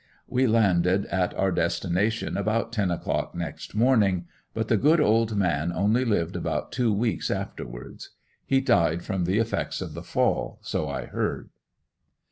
We landed at our destination about ten o'clock next morning; but the good old man only lived about two weeks afterwards. He died from the effects of the fall, so I heard.